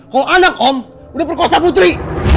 kalau anak om udah berkuasa putri